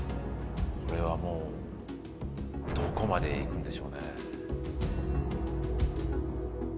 それはもうどこまで行くんでしょうね。